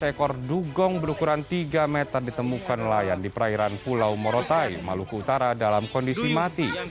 seekor dugong berukuran tiga meter ditemukan nelayan di perairan pulau morotai maluku utara dalam kondisi mati